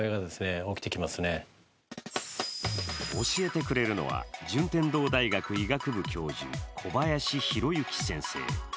教えてくれるのは順天堂大学医学部教授、小林弘幸先生。